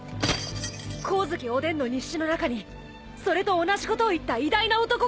光月おでんの日誌の中にそれと同じことを言った偉大な男がいるんだ！